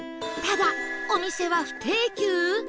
ただお店は不定休？